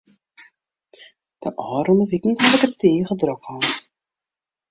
De ôfrûne wiken haw ik it tige drok hân.